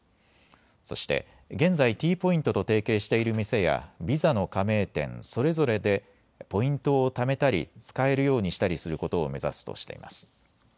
そして現在Ｔポイントと提携している店やビザの加盟店それぞれでポイントをためたり使えるようにしたりすることを目指すとしています。